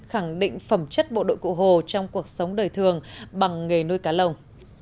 khẳng định phẩm chất bộ đội cụ hồ trong cuộc sống đời thường bằng nghề nuôi cá lồng